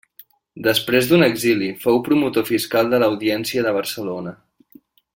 Després d'un exili, fou promotor fiscal de l'audiència de Barcelona.